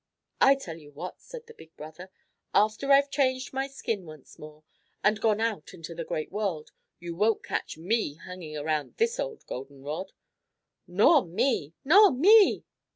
"I tell you what!" said the big brother, "after I've changed my skin once more and gone out into the great world, you won't catch me hanging around this old golden rod." "Nor me!" "Nor me!"